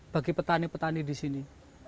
bagi petani petani di sini